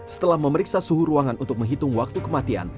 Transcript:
setelah memeriksa suhu ruangan untuk menghitung waktu kematian